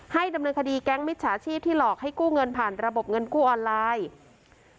ให้ดำเนินคดีแก๊งมิจฉาชีพที่หลอกให้กู้เงินผ่านระบบเงินกู้ออนไลน์